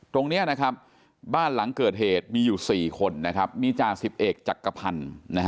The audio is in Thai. ตรงนี้นะครับบ้านหลังเกิดเหตุมีอยู่๔คนมีจาก๑๑จักรพันธ์